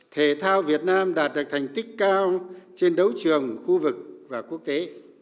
thể thao việt nam đạt được thành tích cao trên đấu trường khu vực và quốc tế